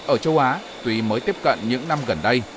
ở châu á tuy mới tiếp cận những năm gần đây